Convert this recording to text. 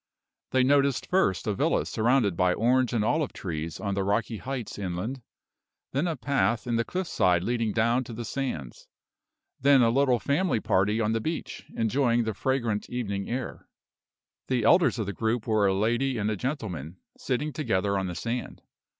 They noticed first a villa surrounded by orange and olive trees on the rocky heights inland; then a path in the cliff side leading down to the sands; then a little family party on the beach, enjoying the fragrant evening air. The elders of the group were a lady and gentleman, sitting together on the sand.